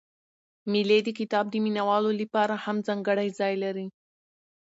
مېلې د کتاب د مینه والو له پاره هم ځانګړى ځای لري.